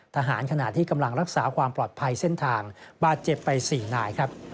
ขณะที่กำลังรักษาความปลอดภัยเส้นทางบาดเจ็บไป๔นายครับ